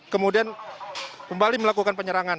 kemudian kembali melakukan penyerangan